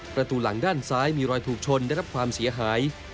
ประตูหลังด้านซ้ายมีรอยถูกชนได้รับความเสียหาย